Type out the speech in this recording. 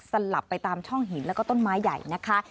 สลับไปตามช่องหินแล้วก็ต้นไม้ใหญ่นะคะ